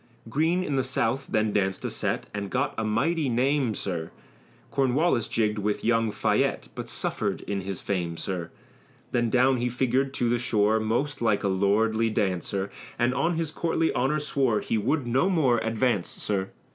Greene in the South then danced a set, And got a mighty name, sir, Cornwallis jigged with young Fayette, But suffered in his fame, sir. Then down he figured to the shore, Most like a lordly dancer, And on his courtly honor swore He would no more advance, sir.